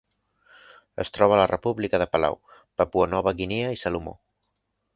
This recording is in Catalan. Es troba a la República de Palau, Papua Nova Guinea i Salomó.